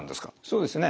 そうですね。